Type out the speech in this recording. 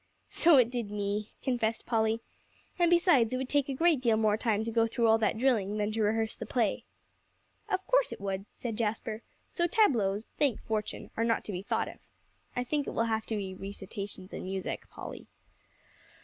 "So it did me," confessed Polly. "And besides, it would take a great deal more time to go through all that drilling than to rehearse the play." "Of course it would," said Jasper, "so tableaux, thank fortune, are not to be thought of. I think it will have to be recitations and music, Polly."